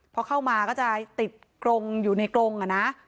พอเข้ามาก็จะติดกรงอยู่ในกรงอะนะ